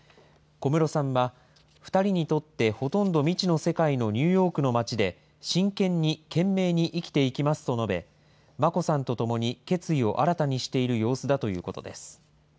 小室さんは、２人にとってほとんど未知の世界のニューヨークの街で、真剣に懸命に生きていきますと述べ、眞子さんと共に決意を新たにしている様子だということです。